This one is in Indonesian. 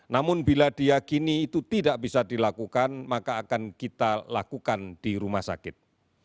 namun bila diakini itu tidak bisa dilakukan maka akan kita lakukan di rumah sakit